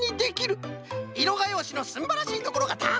いろがようしのすんばらしいところがたくさんでましたぞい。